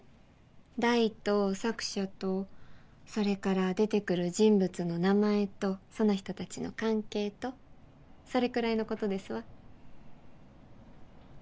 題と作者とそれから出てくる人物の名前とその人たちの関係とそれくらいのことですわ。